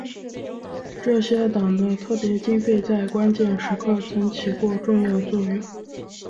这些党的特别经费在关键时刻曾起过重要作用。